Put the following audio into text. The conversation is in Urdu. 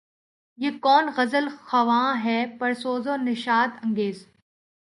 یہ کون غزل خواں ہے پرسوز و نشاط انگیز